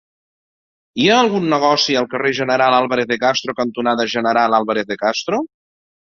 Hi ha algun negoci al carrer General Álvarez de Castro cantonada General Álvarez de Castro?